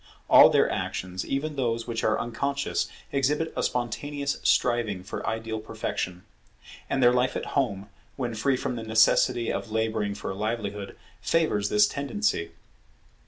All their actions, even those which are unconscious, exhibit a spontaneous striving for ideal perfection. And their life at home, when free from the necessity of labouring for a livelihood, favours this tendency.